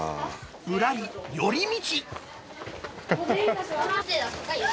ぶらり寄り道